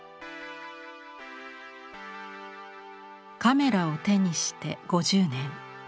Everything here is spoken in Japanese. カメラを手にして５０年。